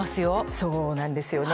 そうなんですよね。